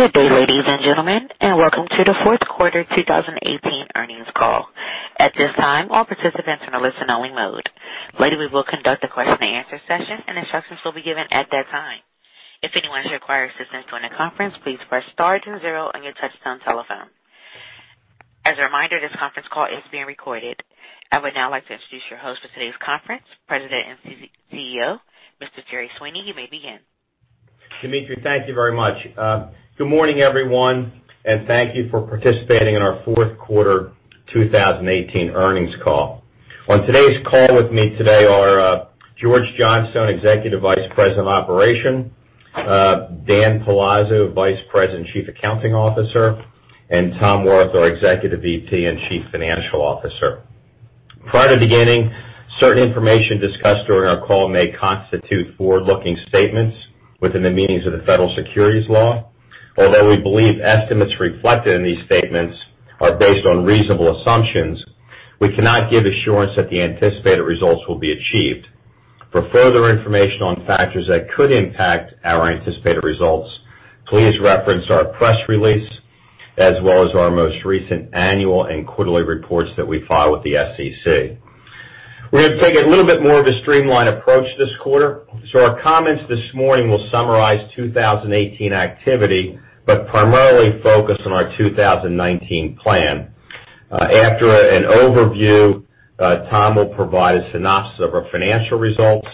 Good day, ladies and gentlemen, and welcome to the Q4 2018 Earnings Call. At this time, all participants are in listen only mode. Later, we will conduct a question-and-answer session, and instructions will be given at that time. If anyone requires assistance during the conference, please press *20 on your touchtone telephone. As a reminder, this conference call is being recorded. I would now like to introduce your host for today's conference, President and CEO, Mr. Jerry Sweeney. You may begin. Dimitri, thank you very much. Good morning, everyone, and thank you for participating in our Q4 2018 Earnings Call. On today's call with me today are George Johnstone, Executive Vice President of Operations, Dan Palazzo, Vice President, Chief Accounting Officer, and Tom Wirth, our Executive Vice President and Chief Financial Officer. Prior to beginning, certain information discussed during our call may constitute forward-looking statements within the meanings of the federal securities law. Although we believe estimates reflected in these statements are based on reasonable assumptions, we cannot give assurance that the anticipated results will be achieved. For further information on factors that could impact our anticipated results, please reference our press release as well as our most recent annual and quarterly reports that we file with the SEC. We're going to take a little bit more of a streamlined approach this quarter. Our comments this morning will summarize 2018 activity, but primarily focus on our 2019 plan. After an overview, Tom will provide a synopsis of our financial results,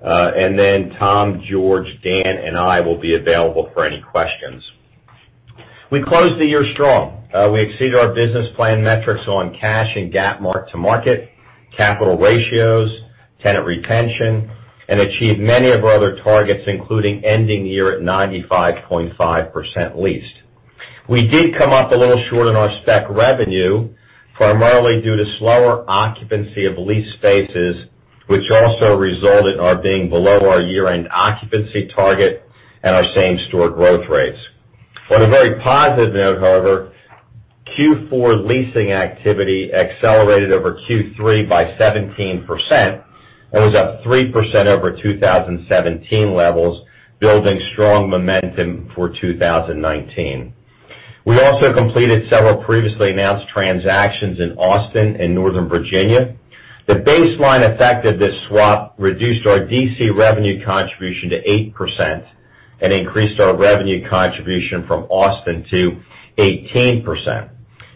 and then Tom, George, Dan, and I will be available for any questions. We closed the year strong. We exceeded our business plan metrics on cash and GAAP mark-to-market, capital ratios, tenant retention, and achieved many of our other targets, including ending year at 95.5% leased. We did come up a little short on our spec revenue, primarily due to slower occupancy of leased spaces, which also resulted in our being below our year-end occupancy target and our same store growth rates. On a very positive note, however, Q4 leasing activity accelerated over Q3 by 17% and was up 3% over 2017 levels, building strong momentum for 2019. We also completed several previously announced transactions in Austin and Northern Virginia. The baseline effect of this swap reduced our D.C. revenue contribution to 8% and increased our revenue contribution from Austin to 18%.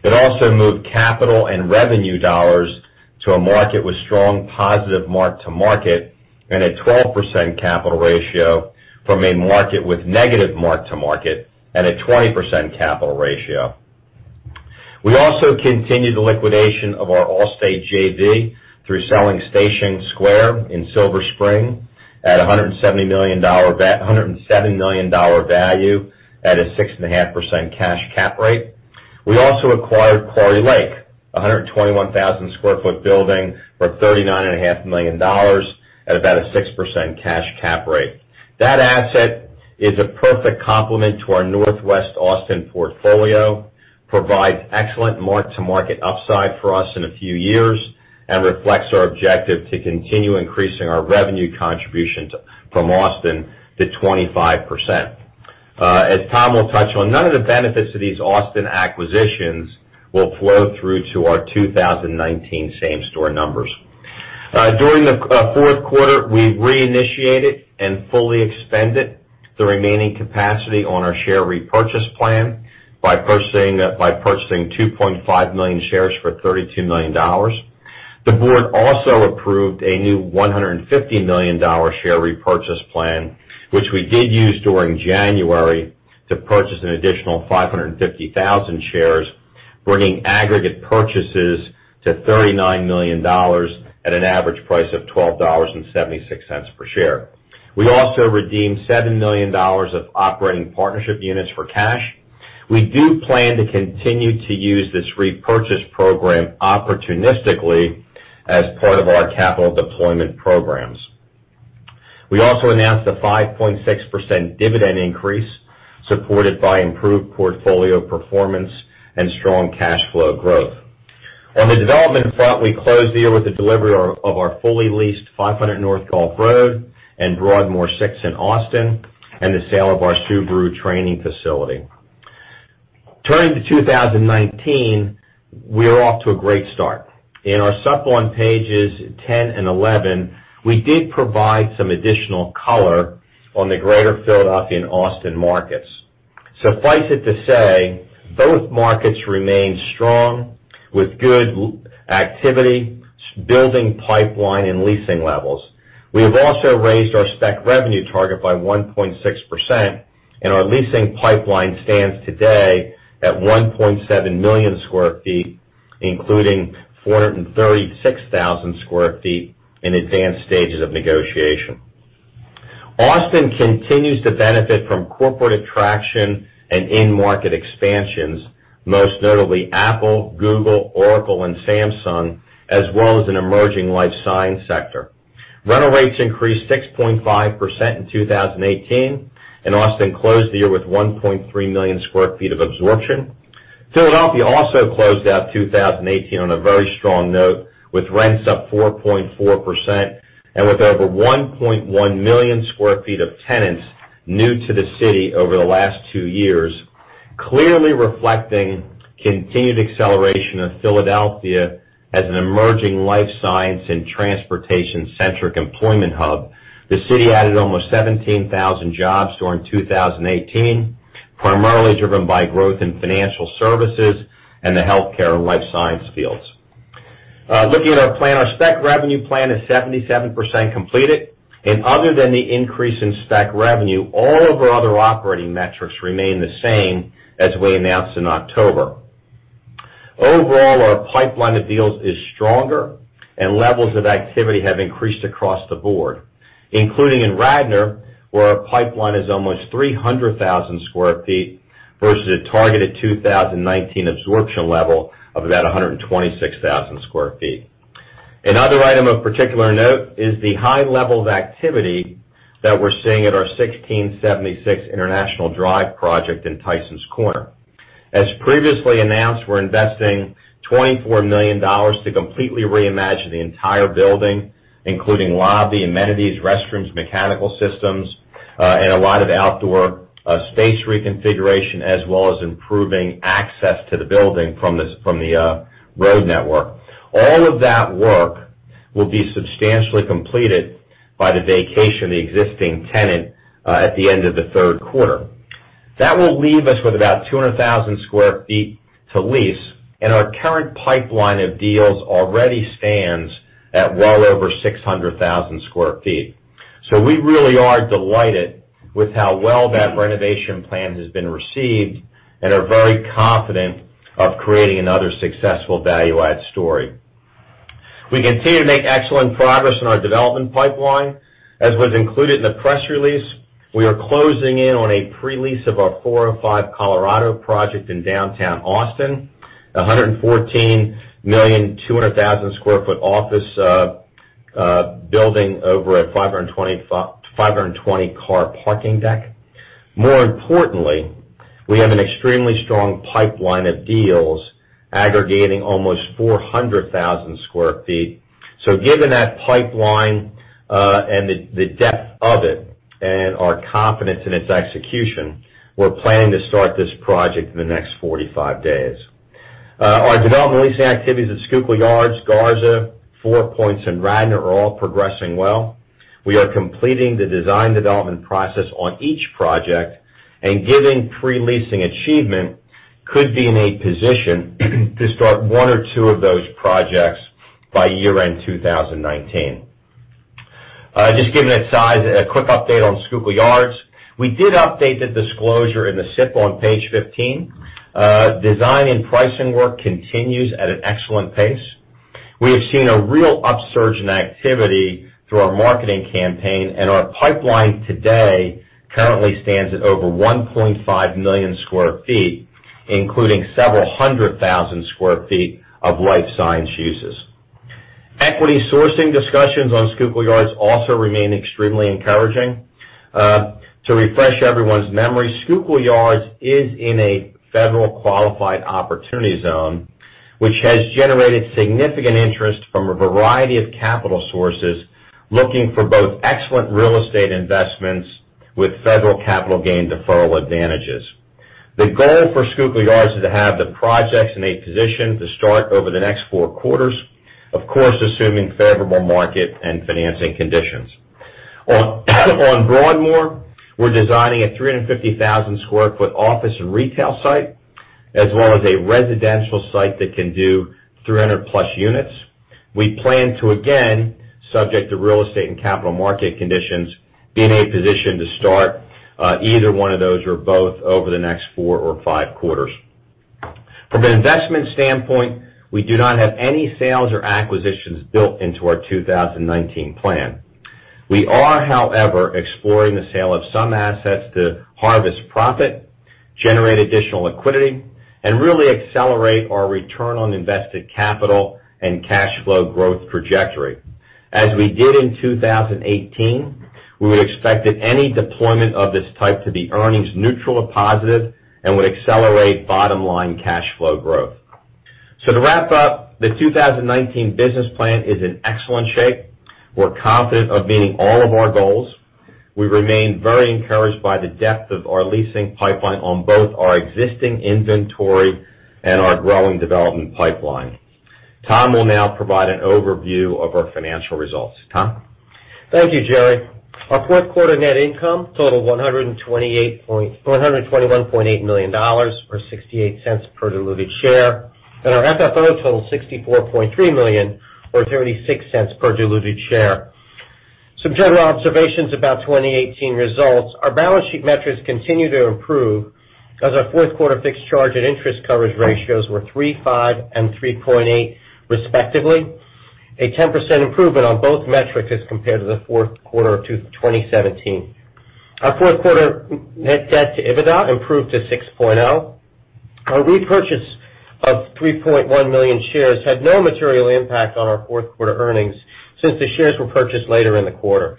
It also moved capital and revenue dollars to a market with strong positive mark-to-market and a 12% capital ratio from a market with negative mark-to-market and a 20% capital ratio. We also continued the liquidation of our Allstate JV through selling Station Square in Silver Spring at a $107 million value at a 6.5% cash cap rate. We also acquired Quarry Lake, a 121,000 sq ft building for $39.5 million at about a 6% cash cap rate. That asset is a perfect complement to our Northwest Austin portfolio, provides excellent mark-to-market upside for us in a few years, and reflects our objective to continue increasing our revenue contributions from Austin to 25%. As Tom will touch on, none of the benefits of these Austin acquisitions will flow through to our 2019 same store numbers. During the Q1, we reinitiated and fully expended the remaining capacity on our share repurchase plan by purchasing 2.5 million shares for $32 million. The board also approved a new $150 million share repurchase plan, which we did use during January to purchase an additional 550,000 shares, bringing aggregate purchases to $39 million at an average price of $12.76 per share. We also redeemed $7 million of operating partnership units for cash. We do plan to continue to use this repurchase program opportunistically as part of our capital deployment programs. We also announced a 5.6% dividend increase, supported by improved portfolio performance and strong cash flow growth. On the development front, we closed the year with the delivery of our fully leased 500 North Gulph Road and Broadmoor Six in Austin and the sale of our Subaru training facility. Turning to 2019, we are off to a great start. In our Supplemental Report on pages 10 and 11, we did provide some additional color on the Greater Philadelphia and Austin markets. Suffice it to say, both markets remain strong with good activity, building pipeline, and leasing levels. We have also raised our spec revenue target by 1.6%, and our leasing pipeline stands today at 1.7 million sq ft, including 436,000 sq ft in advanced stages of negotiation. Austin continues to benefit from corporate attraction and in-market expansions, most notably Apple, Google, Oracle, and Samsung, as well as an emerging life science sector. Rental rates increased 6.5% in 2018, and Austin closed the year with 1.3 million sq ft of absorption. Philadelphia also closed out 2018 on a very strong note, with rents up 4.4% and with over 1.1 million sq ft of tenants new to the city over the last two years, clearly reflecting continued acceleration of Philadelphia as an emerging life science and transportation-centric employment hub. The city added almost 17,000 jobs during 2018, primarily driven by growth in financial services and the healthcare and life science fields. Looking at our plan, our spec revenue plan is 77% completed, and other than the increase in spec revenue, all of our other operating metrics remain the same as we announced in October. Overall, our pipeline of deals is stronger, and levels of activity have increased across the board, including in Radnor, where our pipeline is almost 300,000 sq ft versus a targeted 2019 absorption level of about 126,000 sq ft. Another item of particular note is the high level of activity that we're seeing at our 1676 International Drive project in Tysons Corner. As previously announced, we're investing $24 million to completely reimagine the entire building, including lobby, amenities, restrooms, mechanical systems, and a lot of outdoor space reconfiguration, as well as improving access to the building from the road network. All of that work will be substantially completed by the vacation of the existing tenant at the end of the Q3. That will leave us with about 200,000 sq ft to lease, and our current pipeline of deals already stands at well over 600,000 sq ft. We really are delighted with how well that renovation plan has been received and are very confident of creating another successful value-add story. We continue to make excellent progress in our development pipeline. As was included in the press release, we are closing in on a pre-lease of our 405 Colorado project in downtown Austin, a 114,200 sq ft office building over a 520-car parking deck. More importantly, we have an extremely strong pipeline of deals aggregating almost 400,000 sq ft. Given that pipeline and the depth of it and our confidence in its execution, we're planning to start this project in the next 45 days. Our development leasing activities at Schuylkill Yards, Garza, Four Points, and Radnor are all progressing well. We are completing the design development process on each project and given pre-leasing achievement, could be in a position to start one or two of those projects by year-end 2019. Just giving a quick update on Schuylkill Yards. We did update the disclosure in the Supplemental Report on page 15. Design and pricing work continues at an excellent pace. We have seen a real upsurge in activity through our marketing campaign, and our pipeline today currently stands at over 1.5 million sq ft, including several hundred thousand square feet of life science uses. Equity sourcing discussions on Schuylkill Yards also remain extremely encouraging. To refresh everyone's memory, Schuylkill Yards is in a federal Qualified Opportunity Zone, which has generated significant interest from a variety of capital sources looking for both excellent real estate investments with federal capital gain deferral advantages. The goal for Schuylkill Yards is to have the projects in a position to start over the next four quarters, of course, assuming favorable market and financing conditions. On Broadmoor, we're designing a 350,000 sq ft office and retail site, as well as a residential site that can do 300+ units. We plan to, again, subject to real estate and capital market conditions, be in a position to start either one of those or both over the next four or five quarters. From an investment standpoint, we do not have any sales or acquisitions built into our 2019 plan. We are, however, exploring the sale of some assets to harvest profit, generate additional liquidity, and really accelerate our return on invested capital and cash flow growth trajectory. As we did in 2018, we would expect that any deployment of this type to be earnings neutral or positive and would accelerate bottom-line cash flow growth. To wrap up, the 2019 business plan is in excellent shape. We're confident of meeting all of our goals. We remain very encouraged by the depth of our leasing pipeline on both our existing inventory and our growing development pipeline. Tom will now provide an overview of our financial results. Tom? Thank you, Jerry. Our Q4 net income totaled $121.8 million, or $0.68 per diluted share, and our FFO totaled $64.3 million, or $0.36 per diluted share. Some general observations about 2018 results. Our balance sheet metrics continue to improve, as our Q4 fixed charge and interest coverage ratios were 3, 5, and 3.8 respectively. A 10% improvement on both metrics as compared to the Q4 of 2017. Our Q4 net debt to EBITDA improved to 6.0. Our repurchase of 3.1 million shares had no material impact on our Q4 earnings since the shares were purchased later in the quarter.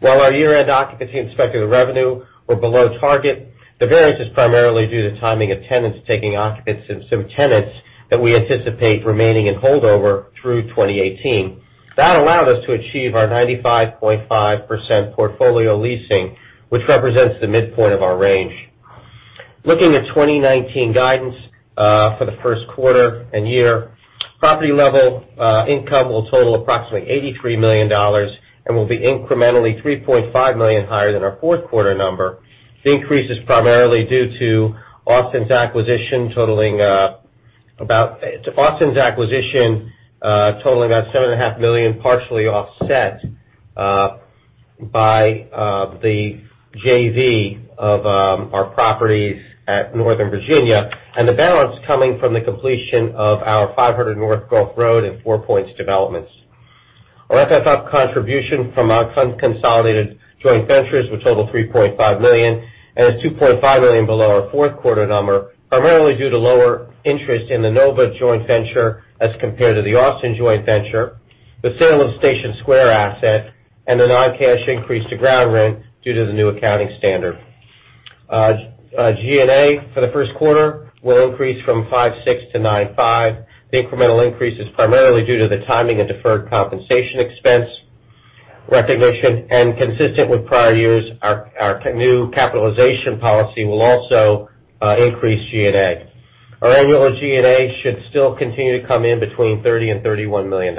While our year-end occupancy and speculative revenue were below target, the variance is primarily due to the timing of tenants taking occupancy and some tenants that we anticipate remaining in holdover through 2018. That allowed us to achieve our 95.5% portfolio leasing, which represents the midpoint of our range. Looking at 2019 guidance for the Q1 and year, property-level income will total approximately $83 million and will be incrementally $3.5 million higher than our Q4 number. The increase is primarily due to Austin's acquisition totaling about $7.5 million, partially offset by the JV of our properties at Northern Virginia, and the balance coming from the completion of our 500 North Gulph Road and Four Points developments. Our FFO contribution from our consolidated joint ventures will total $3.5 million, and is $2.5 million below our Q4 number, primarily due to lower interest in the Northern Virginia joint venture as compared to the Austin joint venture, the sale of Station Square asset, and the non-cash increase to ground rent due to the new accounting standard. G&A for the Q1 will increase from $5.6 million to $9.5 million. The incremental increase is primarily due to the timing of deferred compensation expense recognition, and consistent with prior years, our new capitalization policy will also increase G&A. Our annual G&A should still continue to come in between $30 million and $31 million.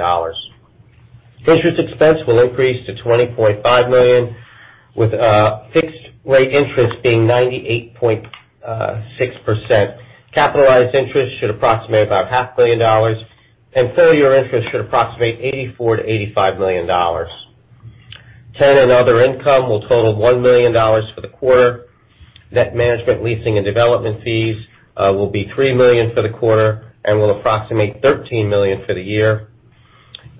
Interest expense will increase to $20.5 million, with fixed-rate interest being 98.6%. Capitalized interest should approximate about $0.5 million, and full-year interest should approximate $84 million to $85 million. Tenant and other income will total $1 million for the quarter. Net management leasing and development fees will be $3 million for the quarter and will approximate $13 million for the year.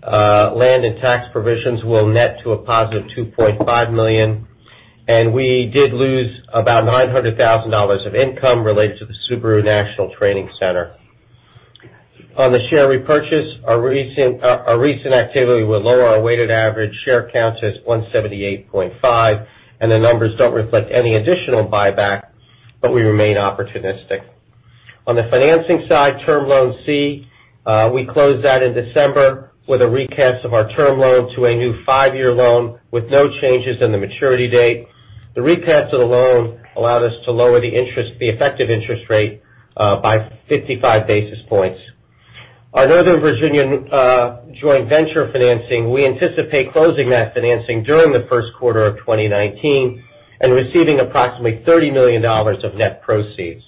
Land and tax provisions will net to a positive $2.5 million, and we did lose about $900,000 of income related to the Subaru National Training Center. On the share repurchase, our recent activity will lower our weighted average share count to 178.5, and the numbers don't reflect any additional buyback, but we remain opportunistic. On the financing side, Term Loan C, we closed that in December with a recast of our term loan to a new five-year loan with no changes in the maturity date. The recast of the loan allowed us to lower the effective interest rate by 55 basis points. Our Northern Virginia joint venture financing, we anticipate closing that financing during the Q1 of 2019 and receiving approximately $30 million of net proceeds.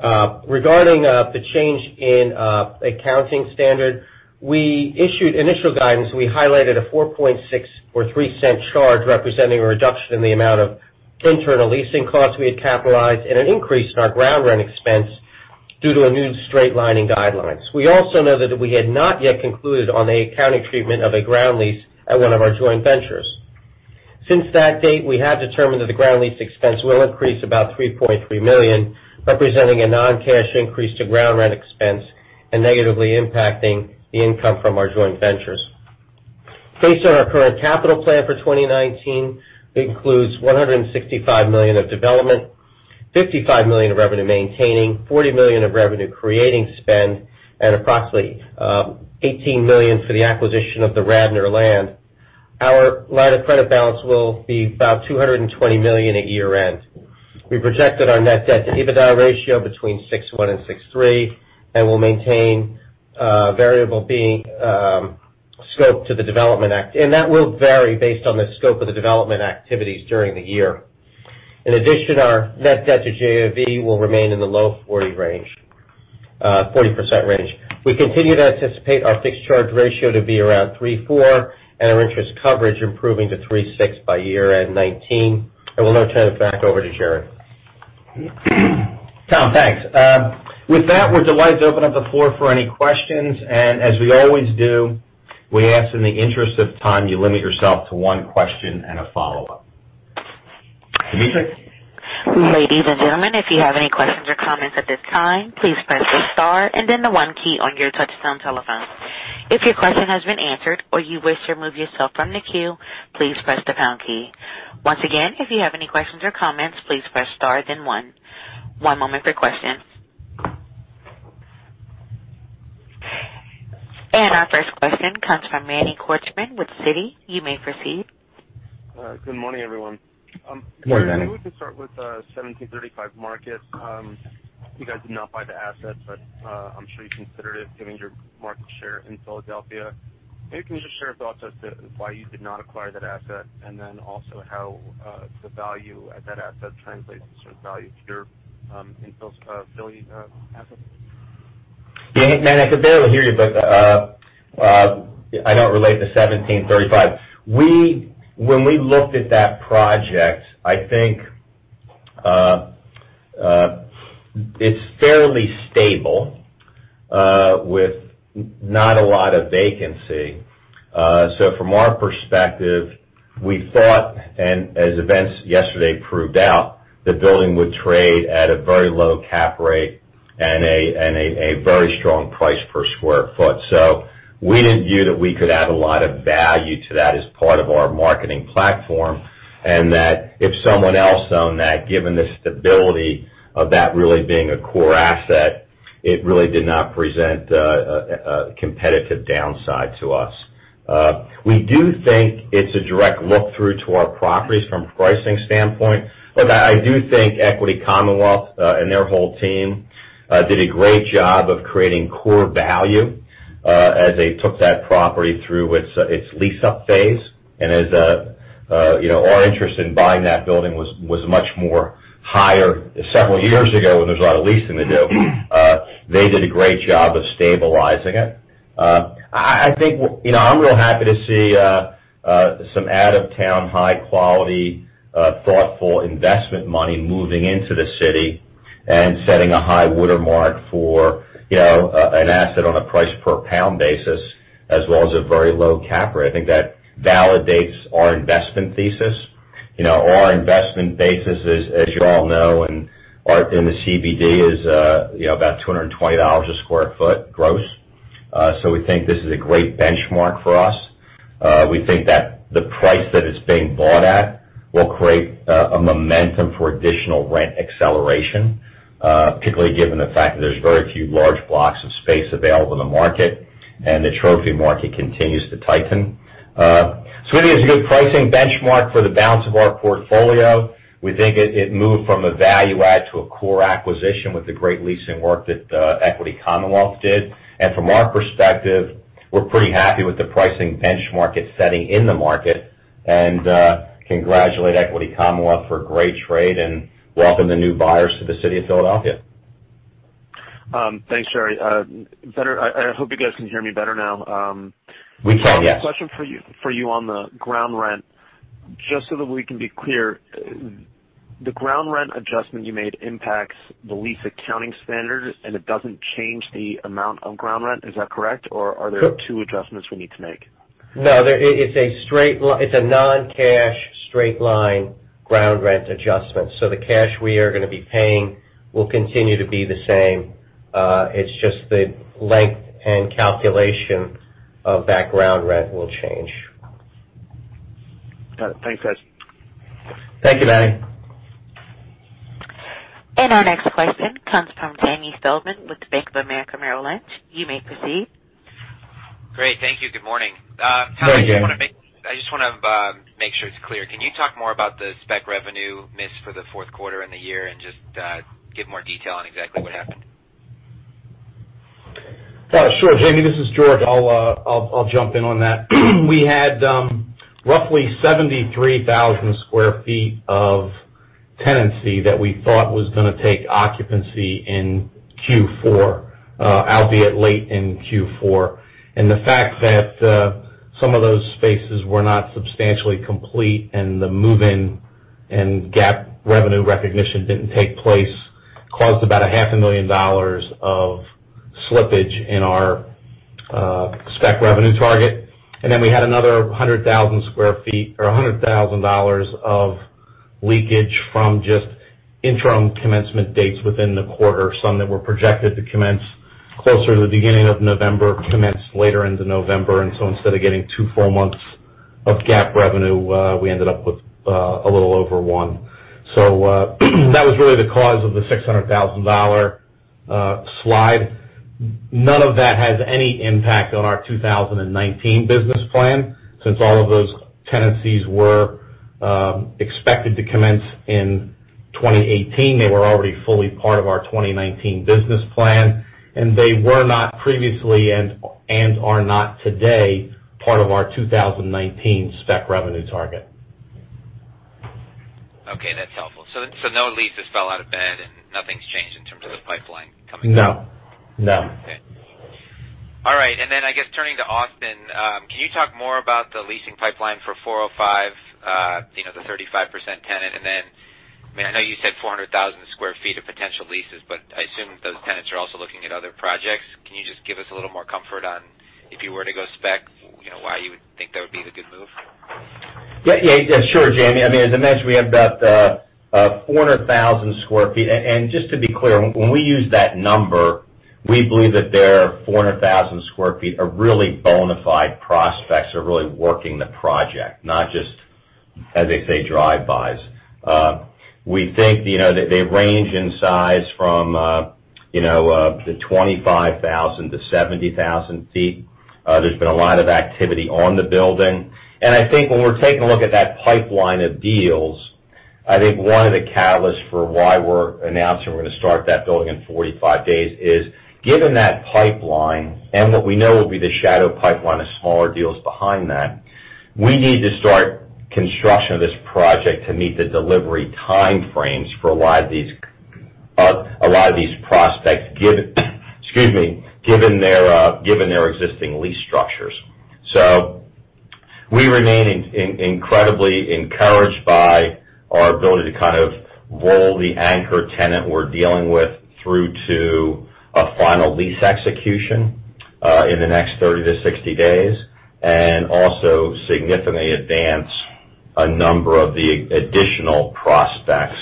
Regarding the change in accounting standard, we issued initial guidance. We highlighted a $0.046 or $0.03 charge representing a reduction in the amount of internal leasing costs we had capitalized, and an increase in our ground rent expense due to a new straight-lining guideline. We also noted that we had not yet concluded on the accounting treatment of a ground lease at one of our joint ventures. Since that date, we have determined that the ground lease expense will increase about $3.3 million, representing a non-cash increase to ground rent expense and negatively impacting the income from our joint ventures. Based on our current capital plan for 2019, it includes $165 million of development, $55 million of revenue maintaining, $40 million of revenue-creating spend, and approximately $18 million for the acquisition of the Radnor land. Our line of credit balance will be about $220 million at year-end. We projected our net debt-to-EBITDA ratio between 6.1 and 6.3, and we'll maintain variable B scope to the development act. That will vary based on the scope of the development activities during the year. In addition, our net debt to JV will remain in the low 40% range. We continue to anticipate our fixed charge ratio to be around 3.4, and our interest coverage improving to 3.6 by year-end 2019. I will now turn it back over to Jerry. Tom, thanks. With that, we're delighted to open up the floor for any questions, and as we always do, we ask in the interest of time, you limit yourself to one question and a follow-up. Dimitri? Ladies and gentlemen, if you have any questions or comments at this time, please press the *1 key on your touchtone telephone. If your question has been answered, or you wish to remove yourself from the queue, please press # key. Once again, if you have any questions or comments, please press *1. One moment for questions. Our first question comes from Manny Korchman with Citi. You may proceed. Good morning, everyone. Good morning. We can start with 1735 Market. I'm sure you considered it, given your market share in Philadelphia. Can you just share your thoughts as to why you did not acquire that asset, and then also how the value at that asset translates to certain value to your Philadelphia assets? Manny, I could barely hear you, but I don't relate to 1735. When we looked at that project, I think it's fairly stable with not a lot of vacancy. From our perspective, we thought, and as events yesterday proved out, the building would trade at a very low cap rate and a very strong price per square foot. We didn't view that we could add a lot of value to that as part of our marketing platform, and that if someone else owned that, given the stability of that really being a core asset, it really did not present a competitive downside to us. We do think it's a direct look-through to our properties from a pricing standpoint. I do think Equity Commonwealth, and their whole team, did a great job of creating core value as they took that property through its lease-up phase. As our interest in buying that building was much more higher several years ago, when there was a lot of leasing to do, they did a great job of stabilizing it. I'm real happy to see some out of town, high quality, thoughtful investment money moving into the city and setting a high watermark for an asset on a price per pound basis, as well as a very low cap rate. I think that validates our investment thesis. Our investment basis is, as you all know, and in the CBD, is about $220 a square foot gross. We think this is a great benchmark for us. We think that the price that it's being bought at will create a momentum for additional rent acceleration, particularly given the fact that there's very few large blocks of space available in the market, and the trophy market continues to tighten. It is a good pricing benchmark for the balance of our portfolio. We think it moved from a value add to a core acquisition with the great leasing work that Equity Commonwealth did. From our perspective, we're pretty happy with the pricing benchmark it's setting in the market, and congratulate Equity Commonwealth for a great trade, and welcome the new buyers to the city of Philadelphia. Thanks, Jerry. I hope you guys can hear me better now. We can, yes. I have a question for you on the ground rent. Just so that we can be clear, the ground rent adjustment you made impacts the lease accounting standard, and it doesn't change the amount of ground rent. Is that correct? Or are there two adjustments we need to make? No, it's a non-cash, straight line ground rent adjustment. The cash we are going to be paying will continue to be the same. It's just the length and calculation of that ground rent will change. Got it. Thanks, guys. Thank you, Manny. Our next question comes from Jamie Feldman with Bank of America Merrill Lynch. You may proceed. Great, thank you. Good morning. Good day. I just want to make sure it's clear. Can you talk more about the spec revenue miss for the Q4 and the year, and just give more detail on exactly what happened? Sure, Jamie. This is George. I'll jump in on that. We had roughly 73,000 sq ft of tenancy that we thought was going to take occupancy in Q4, albeit late in Q4. The fact that some of those spaces were not substantially complete, and the move-in and GAAP revenue recognition didn't take place, caused about $0.5 million Of slippage in our spec revenue target. We had another 100,000 sq ft or $100,000 of leakage from just interim commencement dates within the quarter. Some that were projected to commence closer to the beginning of November commenced later into November. Instead of getting two full months of GAAP revenue, we ended up with a little over one. That was really the cause of the $600,000 slide. None of that has any impact on our 2019 business plan, since all of those tenancies were expected to commence in 2018. They were already fully part of our 2019 business plan, they were not previously, and are not today, part of our 2019 spec revenue target. Okay, that's helpful. No leases fell out of bed and nothing's changed in terms of the pipeline coming in? No. Okay. All right. I guess, turning to Austin, can you talk more about the leasing pipeline for 405, the 35% tenant? I know you said 400,000 sq ft of potential leases, but I assume those tenants are also looking at other projects. Can you just give us a little more comfort on if you were to go spec, why you would think that would be the good move? Sure, Jamie. As I mentioned, we have about 400,000 sq ft. Just to be clear, when we use that number, we believe that their 400,000 sq ft are really bona fide prospects, are really working the project, not just, as they say, drive-bys. We think they range in size from the 25,000 sq ft to 70,000 sq ft. There's been a lot of activity on the building. I think when we're taking a look at that pipeline of deals, I think one of the catalysts for why we're announcing we're going to start that building in 45 days is, given that pipeline and what we know will be the shadow pipeline of smaller deals behind that, we need to start construction of this project to meet the delivery time frames for a lot of these prospects, excuse me, given their existing lease structures. We remain incredibly encouraged by our ability to kind of roll the anchor tenant we're dealing with through to a final lease execution in the next 30 to 60 days, and also significantly advance a number of the additional prospects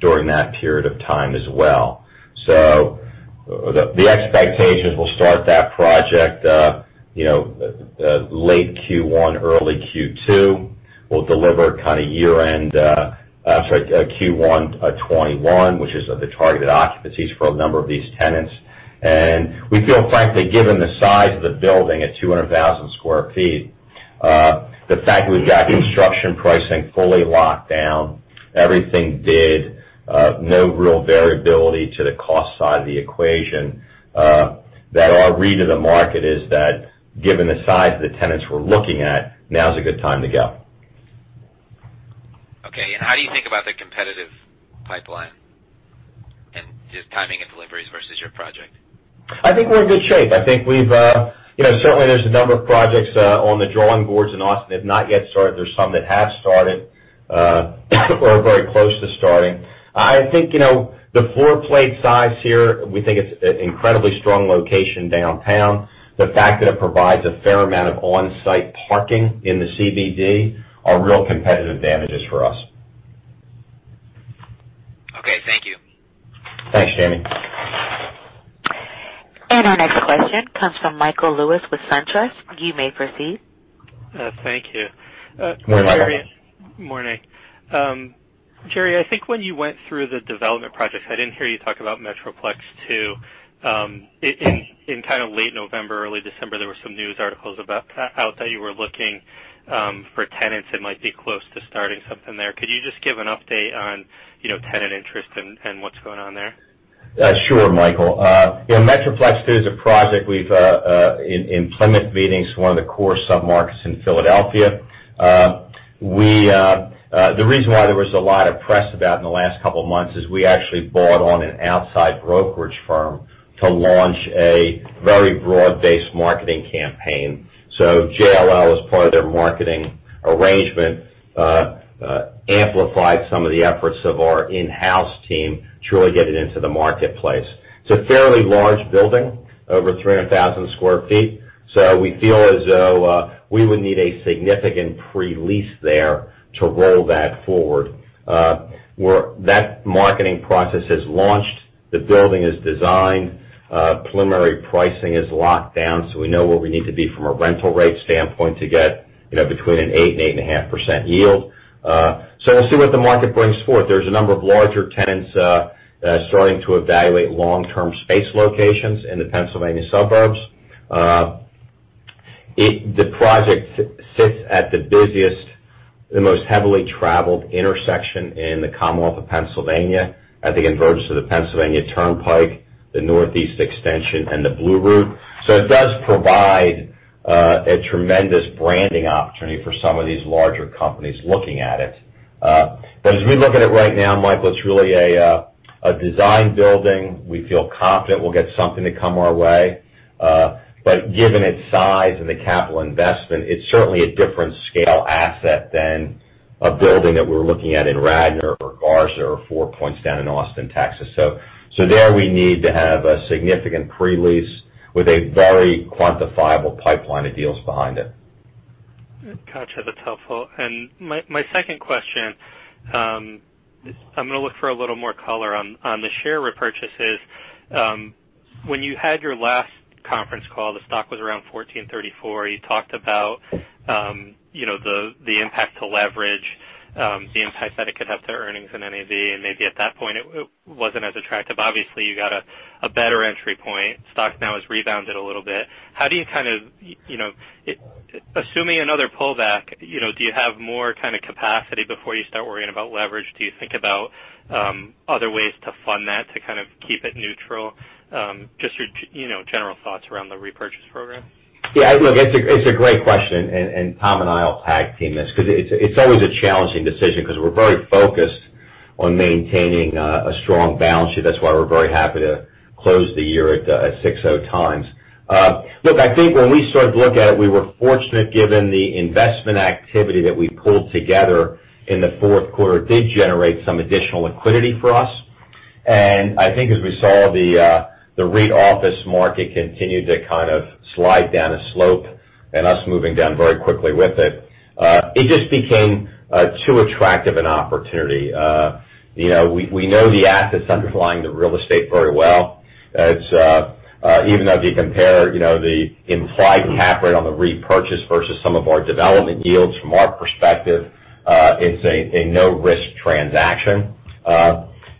during that period of time as well. The expectation is we'll start that project late Q1, early Q2. We'll deliver Q1 2021, which is the targeted occupancies for a number of these tenants. We feel frankly, given the size of the building at 200,000 sq ft, the fact we've got construction pricing fully locked down, everything bid, no real variability to the cost side of the equation, that our read of the market is that given the size of the tenants we're looking at, now's a good time to go. Okay. How do you think about the competitive pipeline and just timing and deliveries versus your project? I think we're in good shape. Certainly there's a number of projects on the drawing boards in Austin that have not yet started. There's some that have started or are very close to starting. I think the floor plate size here, we think it's an incredibly strong location downtown. The fact that it provides a fair amount of on-site parking in the CBD are real competitive advantages for us. Okay, thank you. Thanks, Jamie. Our next question comes from Michael Lewis with SunTrust. You may proceed. Thank you. Good morning, Michael. Morning. Jerry, I think when you went through the development projects, I didn't hear you talk about Metroplex II. In kind of late November, early December, there were some news articles about how you were looking for tenants that might be close to starting something there. Could you just give an update on tenant interest and what's going on there? Sure, Michael. Yeah, Metroplex II is a project we've, in Plymouth Meeting, one of the core submarkets in Philadelphia. The reason why there was a lot of press about in the last couple of months is we actually brought on an outside brokerage firm to launch a very broad-based marketing campaign. JLL, as part of their marketing arrangement, amplified some of the efforts of our in-house team to really get it into the marketplace. It's a fairly large building, over 300,000 sq ft. We feel as though we would need a significant pre-lease there to roll that forward. That marketing process has launched. The building is designed. Preliminary pricing is locked down, so we know where we need to be from a rental rate standpoint to get between an 8%-8.5% yield. We'll see what the market brings forth. There's a number of larger tenants that are starting to evaluate long-term space locations in the Pennsylvania suburbs. The project sits at the busiest, the most heavily traveled intersection in the Commonwealth of Pennsylvania, at the convergence of the Pennsylvania Turnpike, the Northeast Extension, and the Blue Route. It does provide a tremendous branding opportunity for some of these larger companies looking at it. As we look at it right now, Michael, it's really a design building. We feel confident we'll get something to come our way. Given its size and the capital investment, it's certainly a different scale asset than a building that we're looking at in Radnor or Garza or Four Points down in Austin, Texas. There we need to have a significant pre-lease with a very quantifiable pipeline of deals behind it. Gotcha. That's helpful. My second question, I'm going to look for a little more color on the share repurchases. When you had your last conference call, the stock was around $14.34. You talked about the impact to leverage, the impact that it could have to earnings and NAV, and maybe at that point it wasn't as attractive. Obviously, you got a better entry point. Stock now has rebounded a little bit. Assuming another pullback, do you have more kind of capacity before you start worrying about leverage? Do you think about other ways to fund that, to kind of keep it neutral? Just your general thoughts around the repurchase program. Yeah, look, it's a great question, Tom and I will tag team this because it's always a challenging decision because we're very focused on maintaining a strong balance sheet. That's why we're very happy to close the year at 6.0x. Look, I think when we started to look at it, we were fortunate given the investment activity that we pulled together in the Q4. It did generate some additional liquidity for us. I think as we saw the REIT office market continue to kind of slide down a slope and us moving down very quickly with it just became too attractive an opportunity. We know the assets underlying the real estate very well. Even if you compare the implied cap rate on the repurchase versus some of our development yields, from our perspective, it's a no-risk transaction.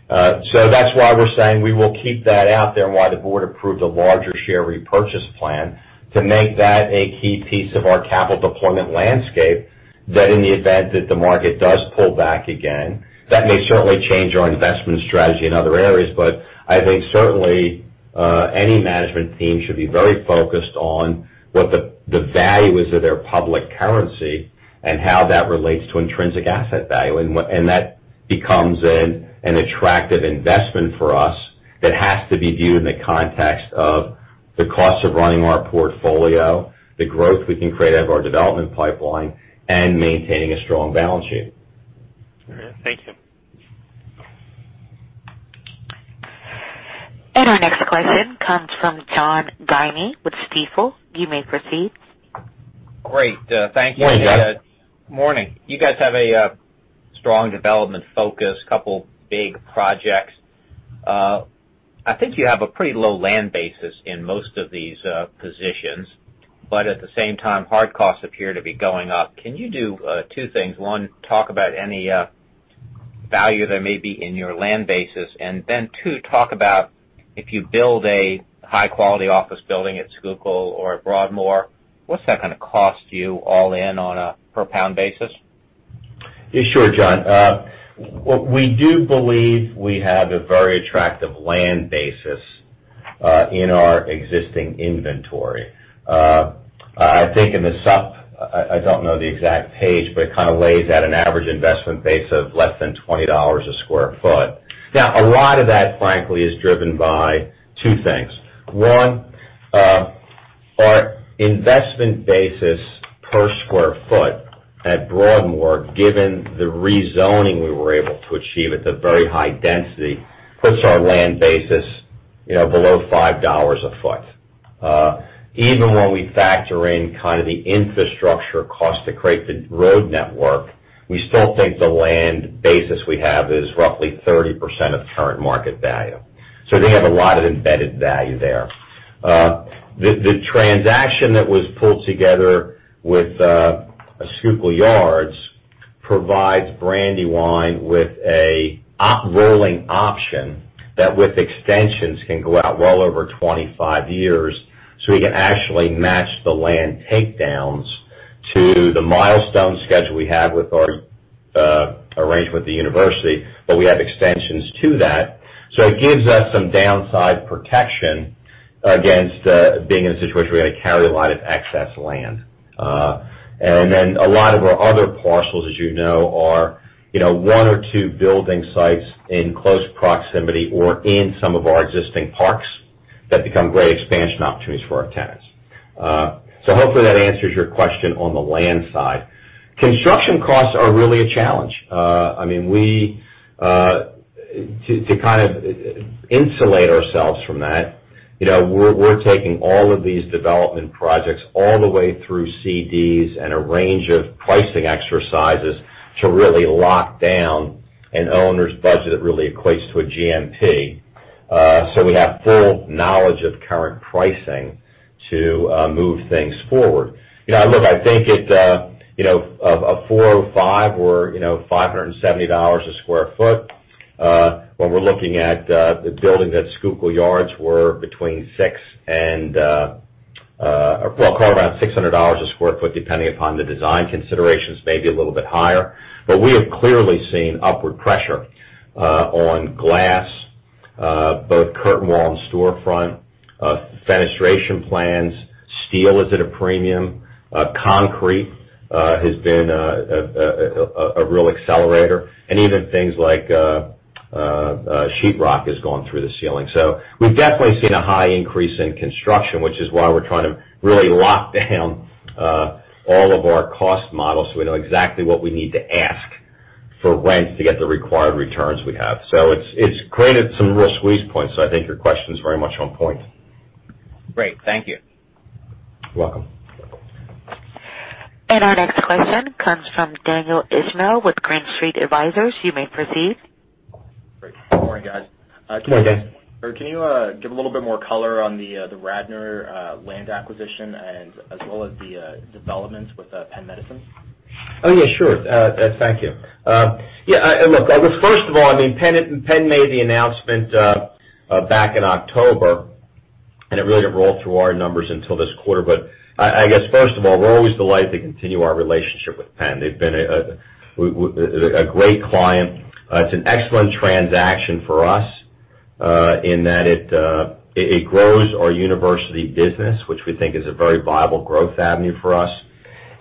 That's why we're saying we will keep that out there and why the board approved a larger share repurchase plan to make that a key piece of our capital deployment landscape, that in the event that the market does pull back again, that may certainly change our investment strategy in other areas. I think certainly, any management team should be very focused on what the value is of their public currency and how that relates to intrinsic asset value. That becomes an attractive investment for us that has to be viewed in the context of the cost of running our portfolio, the growth we can create out of our development pipeline, and maintaining a strong balance sheet. All right. Thank you. Our next question comes from John Guinee with Stifel. You may proceed. Great. Thank you. Morning, John. Morning. You guys have a strong development focus, couple big projects. I think you have a pretty low land basis in most of these positions, but at the same time, hard costs appear to be going up. Can you do two things? One, talk about any value that may be in your land basis, and then two, talk about if you build a high-quality office building at Schuylkill or at Broadmoor, what's that gonna cost you all in on a per pound basis? Sure, John. We do believe we have a very attractive land basis in our existing inventory. I think in the SUP, I don't know the exact page, but it kind of lays out an average investment base of less than $20 a square foot. A lot of that, frankly, is driven by two things. One, our investment basis per square foot at Broadmoor, given the rezoning we were able to achieve at the very high density, puts our land basis below $5 a foot. Even when we factor in kind of the infrastructure cost to create the road network, we still think the land basis we have is roughly 30% of current market value. We have a lot of embedded value there. The transaction that was pulled together with Schuylkill Yards provides Brandywine with a rolling option that with extensions, can go out well over 25 years. We can actually match the land takedowns to the milestone schedule we have with our arrangement with the university, but we have extensions to that. It gives us some downside protection against being in a situation where we carry a lot of excess land. A lot of our other parcels, as you know, are one or two building sites in close proximity or in some of our existing parks that become great expansion opportunities for our tenants. Hopefully that answers your question on the land side. Construction costs are really a challenge. To kind of insulate ourselves from that, we're taking all of these development projects all the way through CDs and a range of pricing exercises to really lock down an owner's budget that really equates to a GMP. We have full knowledge of current pricing to move things forward. Look, I think at a $405 or $570 a square foot, when we're looking at the building that Schuylkill Yards were between six and call it around $600 a square foot, depending upon the design considerations, maybe a little bit higher. We have clearly seen upward pressure on glass, both curtain wall and storefront, fenestration plans. Steel is at a premium. Concrete has been a real accelerator, and even things like sheetrock has gone through the ceiling. We've definitely seen a high increase in construction, which is why we're trying to really lock down all of our cost models so we know exactly what we need to ask for rents to get the required returns we have. It's created some real squeeze points. I think your question's very much on point. Great. Thank you. You're welcome. Our next question comes from Daniel Ismail with Green Street Advisors. You may proceed. Great. Good morning, guys. Hey, Daniel. Can you give a little bit more color on the Radnor land acquisition and as well as the developments with Penn Medicine? Yeah, sure. Thank you. Yeah, look, first of all, Penn Medicine made the announcement back in October, and it really didn't roll through our numbers until this quarter. I guess first of all, we're always delighted to continue our relationship with Penn Medicine. They've been a great client. It's an excellent transaction for us, in that it grows our university business, which we think is a very viable growth avenue for us.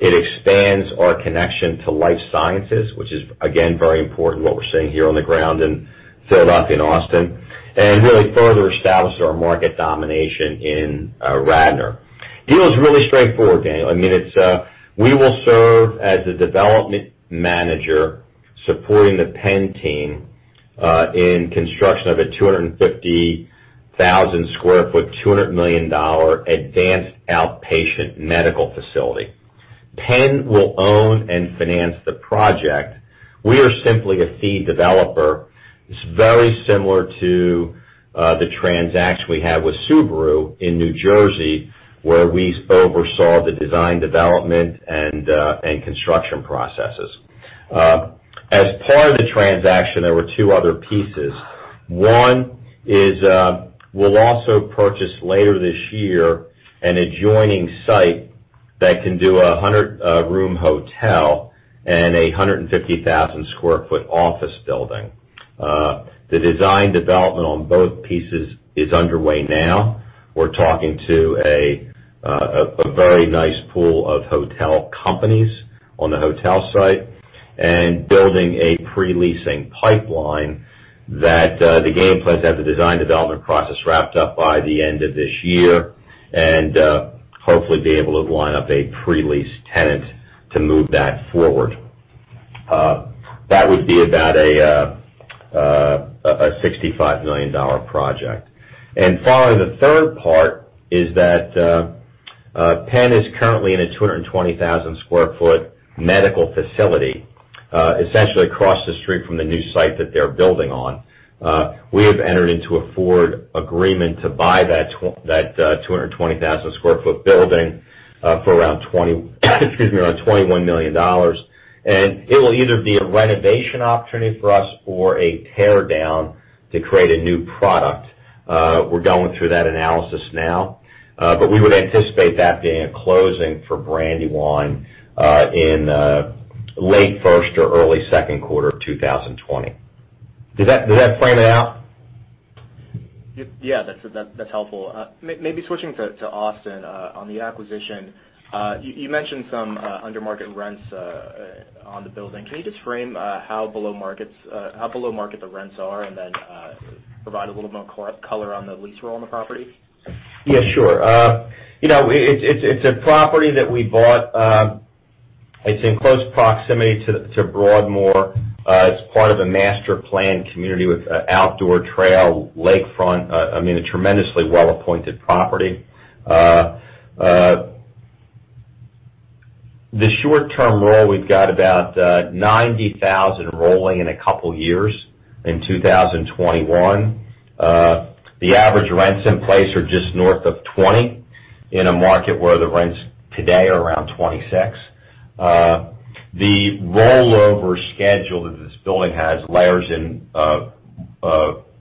It expands our connection to life sciences, which is again, very important, what we're seeing here on the ground in Philadelphia and Austin, and really further establishes our market domination in Radnor. Deal is really straightforward. We will serve as the development manager supporting the Penn Medicine team, in construction of a 250,000 sq ft, $200 million advanced outpatient medical facility. Penn Medicine will own and finance the project. We are simply a fee developer. It's very similar to the transaction we have with Subaru in New Jersey, where we oversaw the design, development, and construction processes. As part of the transaction, there were two other pieces. One is, we'll also purchase later this year an adjoining site that can do a 100-room hotel and a 150,000 sq ft office building. The design development on both pieces is underway now. We're talking to a very nice pool of hotel companies on the hotel site and building a pre-leasing pipeline that the game plan is to have the design development process wrapped up by the end of this year, and hopefully be able to line up a pre-lease tenant to move that forward. That would be about a $65 million project. Following the third part is that Penn Medicine is currently in a 220,000 sq ft medical facility, essentially across the street from the new site that they're building on. We have entered into a forward agreement to buy that 220,000 sq ft building for around $21 million. It will either be a renovation opportunity for us or a tear down to create a new product. We're going through that analysis now, but we would anticipate that being a closing for Brandywine in late first or early Q2 of 2020. Does that frame it out? Yeah. That's helpful. Maybe switching to Austin, on the acquisition. You mentioned some under-market rents on the building. Can you just frame how below market the rents are, then provide a little more color on the lease roll on the property? Yeah, sure. It's a property that we bought. It's in close proximity to Broadmoor. It's part of a master-planned community with outdoor trail, lakefront, I mean, a tremendously well-appointed property. The short-term roll, we've got about 90,000 rolling in a couple of years in 2021. The average rents in place are just north of $20, in a market where the rents today are around $26. The rollover schedule that this building has layers in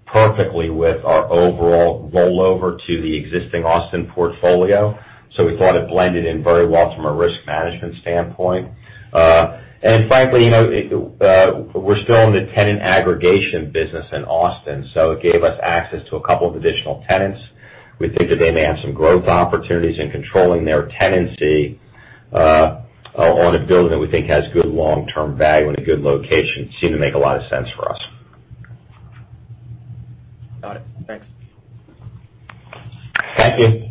perfectly with our overall rollover to the existing Austin portfolio. We thought it blended in very well from a risk management standpoint. Frankly, we're still in the tenant aggregation business in Austin, so it gave us access to a couple of additional tenants. We think that they may have some growth opportunities in controlling their tenancy, on a building that we think has good long-term value and a good location. Seemed to make a lot of sense for us. Got it. Thanks. Thank you.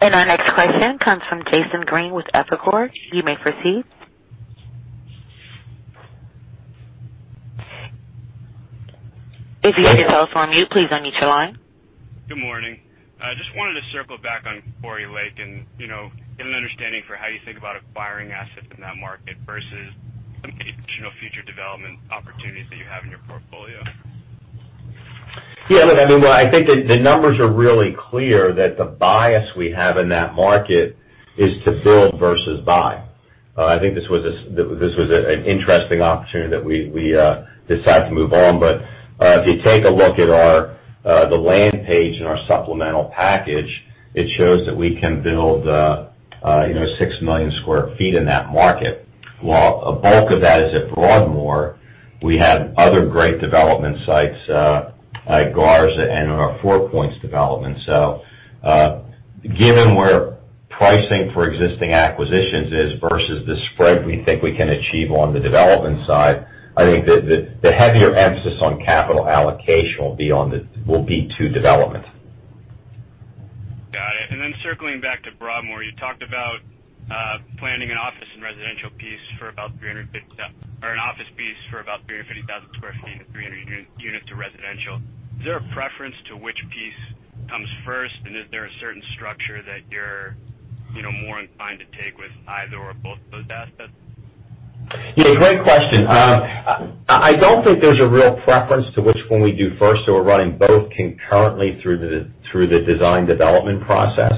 Our next question comes from Jason Green with Evercore ISI. You may proceed. If you could, tell us when you please unmute your line. Good morning. Just wanted to circle back on Quarry Lake and get an understanding for how you think about acquiring assets in that market versus any additional future development opportunities that you have in your portfolio. Yeah, look, I think that the numbers are really clear that the bias we have in that market is to build versus buy. I think this was an interesting opportunity that we decided to move on. If you take a look at the land page in our supplemental package, it shows that we can build 6 million sq ft in that market. While a bulk of that is at Broadmoor, we have other great development sites, like Garza and our Four Points development. Given where pricing for existing acquisitions is versus the spread we think we can achieve on the development side, I think the heavier emphasis on capital allocation will be to development. Got it. Circling back to Broadmoor, you talked about planning an office piece for about 350,000 sq ft and 300 units of residential. Is there a preference to which piece comes first? Is there a certain structure that you're more inclined to take with either or both of those assets? Yeah, great question. I don't think there's a real preference to which one we do first, so we're running both concurrently through the design development process.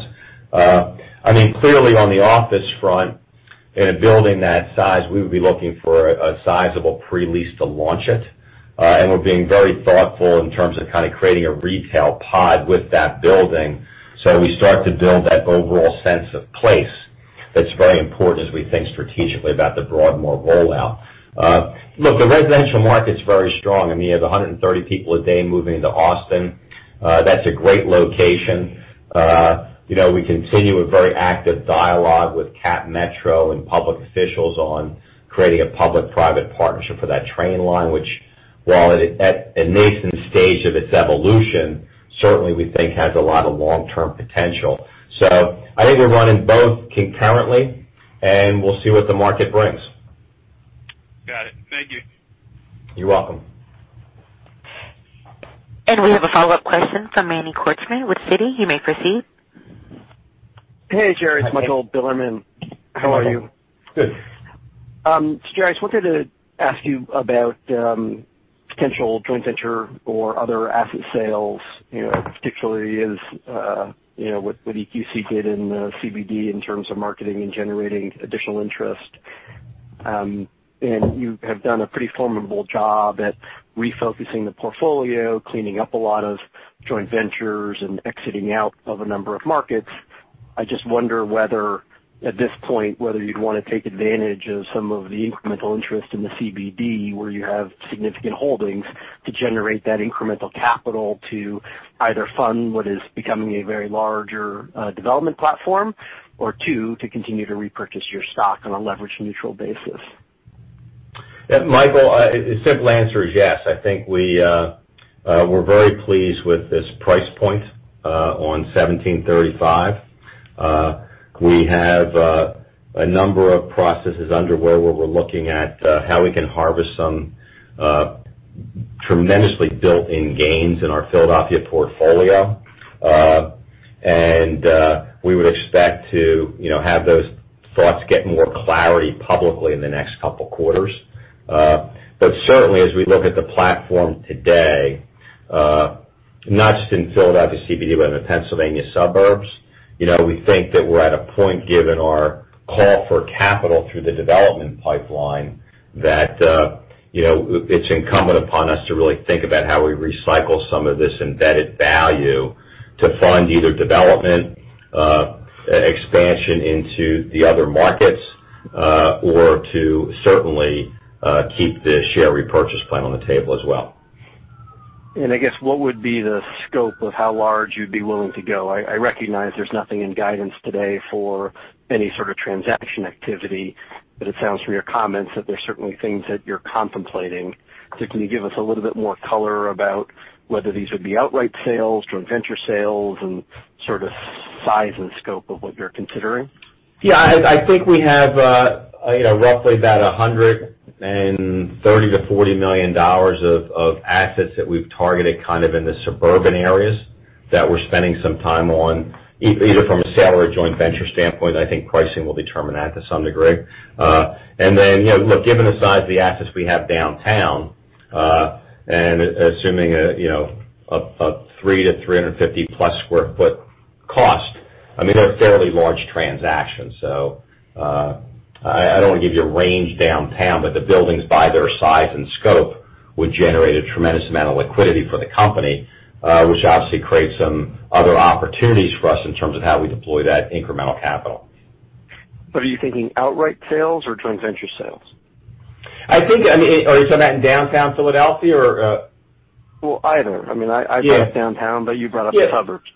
Clearly, on the office front, in a building that size, we would be looking for a sizable pre-lease to launch it. We're being very thoughtful in terms of creating a retail pod with that building, so we start to build that overall sense of place that's very important as we think strategically about the Broadmoor rollout. Look, the residential market's very strong. You have 130 people a day moving into Austin. That's a great location. We continue a very active dialogue with Cap Metro and public officials on creating a public-private partnership for that train line, which while at a nascent stage of its evolution, certainly we think has a lot of long-term potential. I think we're running both concurrently, and we'll see what the market brings. Got it. Thank you. You're welcome. We have a follow-up question from Manny Korchman with Citi. You may proceed. Hey, Jerry. It's Michael Bilerman. How are you? Good. Jerry, I just wanted to ask you about potential joint venture or other asset sales, particularly as what EQC did in the CBD in terms of marketing and generating additional interest. You have done a pretty formidable job at refocusing the portfolio, cleaning up a lot of joint ventures, and exiting out of a number of markets. I just wonder whether at this point, whether you'd want to take advantage of some of the incremental interest in the CBD, where you have significant holdings to generate that incremental capital to either fund what is becoming a very larger development platform, or two, to continue to repurchase your stock on a leverage-neutral basis. Michael, the simple answer is yes. I think we're very pleased with this price point on 1735. We have a number of processes underway where we're looking at how we can harvest some tremendously built-in gains in our Philadelphia portfolio. We would expect to have those thoughts get more clarity publicly in the next couple of quarters. Certainly, as we look at the platform today, not just in Philadelphia CBD, but in the Pennsylvania suburbs, we think that we're at a point, given our call for capital through the development pipeline, that it's incumbent upon us to really think about how we recycle some of this embedded value to fund either development, expansion into the other markets, or to certainly keep the share repurchase plan on the table as well. I guess, what would be the scope of how large you'd be willing to go? I recognize there's nothing in guidance today for any sort of transaction activity, it sounds from your comments that there's certainly things that you're contemplating. Can you give us a little bit more color about whether these would be outright sales, joint venture sales, and sort of size and scope of what you're considering? Yeah. I think we have roughly about $130 million-$140 million of assets that we've targeted kind of in the suburban areas that we're spending some time on, either from a sale or a joint venture standpoint. I think pricing will determine that to some degree. Look, given the size of the assets we have downtown, and assuming a 300 sq ft to 350+ sq ft cost, I mean, they're a fairly large transaction. I don't want to give you a range downtown, the buildings by their size and scope would generate a tremendous amount of liquidity for the company, which obviously creates some other opportunities for us in terms of how we deploy that incremental capital. Are you thinking outright sales or joint venture sales? Are you talking about in downtown Philadelphia or? Well, either. I brought up downtown, but you brought up the suburbs.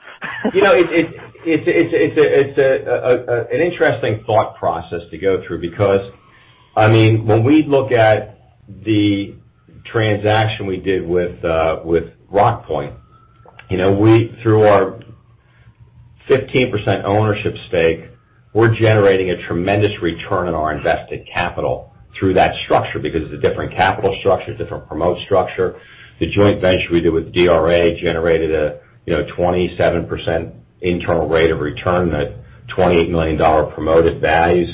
It's an interesting thought process to go through because, when we look at the transaction we did with Rockpoint, through our 15% ownership stake, we're generating a tremendous return on our invested capital through that structure because it's a different capital structure, different promote structure. The joint venture we did with DRA generated a 27% internal rate of return at $28 million promoted value.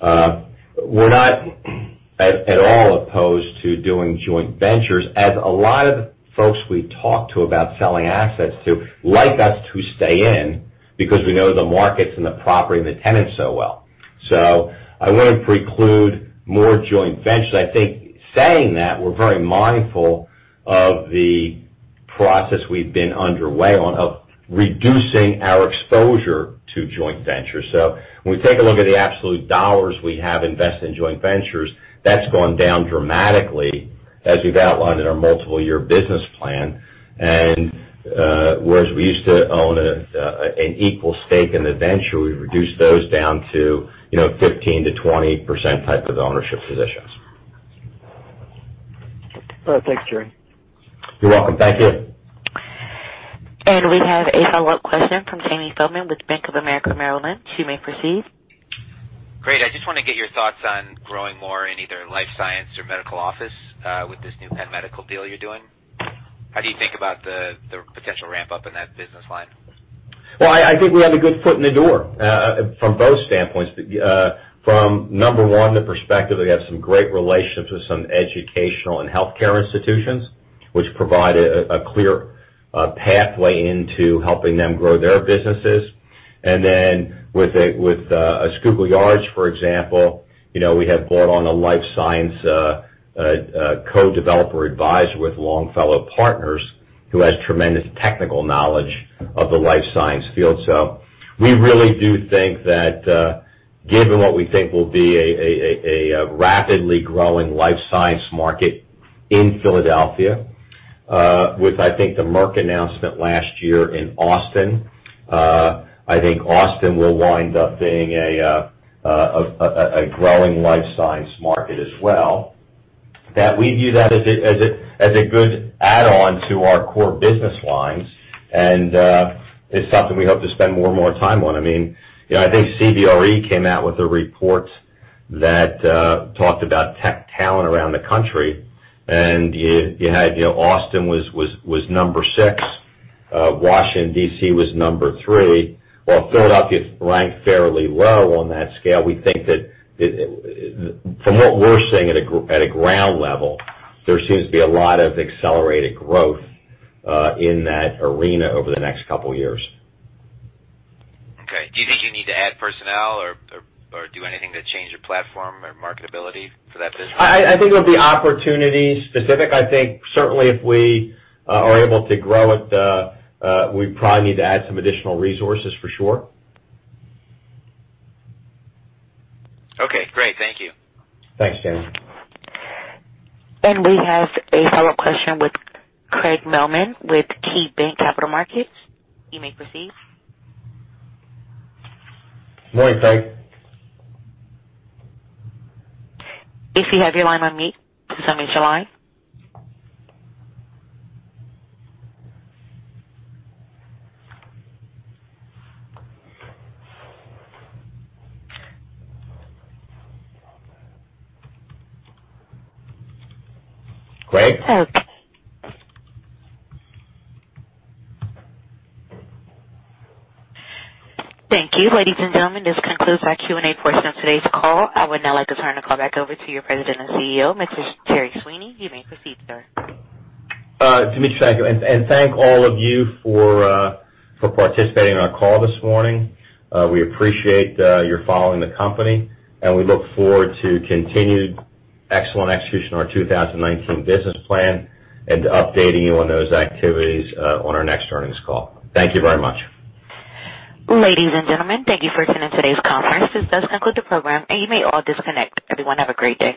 We're not at all opposed to doing joint ventures as a lot of the folks we talk to about selling assets to like us to stay in because we know the markets, and the property, and the tenants so well. I wouldn't preclude more joint ventures. I think saying that, we're very mindful of the process we've been underway on of reducing our exposure to joint ventures. When we take a look at the absolute dollars we have invested in joint ventures, that's gone down dramatically as we've outlined in our multiple year business plan. Whereas we used to own an equal stake in the venture, we've reduced those down to 15%-20% type of ownership positions. Thanks, Jerry. You're welcome. Thank you. We have a follow-up question from Jamie Feldman with Bank of America Merrill Lynch. You may proceed. Great. I just want to get your thoughts on growing more in either life science or medical office, with this new Penn Medicine deal you're doing. How do you think about the potential ramp-up in that business line? Well, I think we have a good foot in the door from both standpoints. From number 1, the perspective that we have some great relationships with some educational and healthcare institutions, which provide a clear pathway into helping them grow their businesses. Then with Schuylkill Yards, for example, we have brought on a life science co-developer advisor with Longfellow Partners who has tremendous technical knowledge of the life science field. We really do think that given what we think will be a rapidly growing life science market in Philadelphia, with I think the Merck announcement last year in Austin, I think Austin will wind up being a growing life science market as well, that we view that as a good add-on to our core business lines. It's something we hope to spend more and more time on. I think CBRE came out with a report that talked about tech talent around the country, and Austin was number 6, Washington, D.C. was number 3, while Philadelphia ranked fairly low on that scale. We think that from what we're seeing at a ground level, there seems to be a lot of accelerated growth in that arena over the next couple of years. Okay. Do you think you need to add personnel or do anything to change your platform or marketability for that business? I think it will be opportunity specific. I think certainly if we are able to grow it, we probably need to add some additional resources for sure. Okay, great. Thank you. Thanks, Jamie. We have a follow-up question with Craig Mailman with KeyBanc Capital Markets. You may proceed. Morning, Craig. If you have your line on mute, please unmute your line. Craig? Thank you. Ladies and gentlemen, this concludes our Q&A portion of today's call. I would now like to turn the call back over to your President and CEO, Mr. Jerry Sweeney. You may proceed, sir. Tamesha, thank you. Thank all of you for participating in our call this morning. We appreciate your following the company, and we look forward to continued excellent execution on our 2019 business plan and to updating you on those activities on our next earnings call. Thank you very much. Ladies and gentlemen, thank you for attending today's conference. This does conclude the program, and you may all disconnect. Everyone have a great day